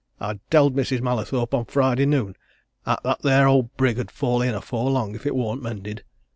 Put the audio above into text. I tell'd Mrs. Mallathorpe on Friday noon 'at that there owd brig 'ud fall in afore long if it worn't mended.